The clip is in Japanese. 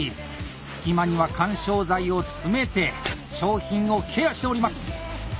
隙間には緩衝材を詰めて商品をケアしております！